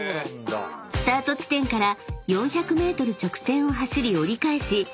［スタート地点から４００ｍ直線を走り折り返し